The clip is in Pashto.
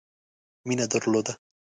مینه درلوده.